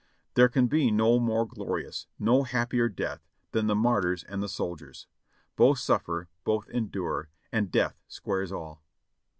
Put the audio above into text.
There can be no more glorious, no happier death than the martyr's and the soldier's. Both suffer, both endure, and death squares all.